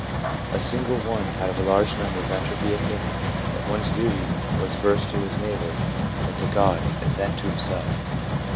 A single one out of a large number ventured the opinion that one's duty was first to his neighbour and to God, and then to himself.